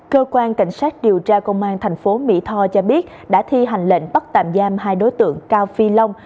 cơ quan cảnh sát điều tra công an thành phố mỹ tho cho biết đã thi hành lệnh bắt tạm giam hai đối tượng cao phi long